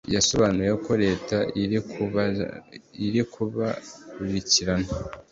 yasobanuye ko leta irikuba kurikirana